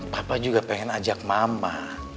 papa juga pengen ajak mama